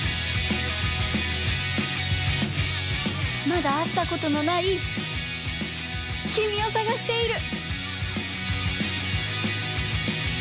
まだあったことのないきみをさがしている。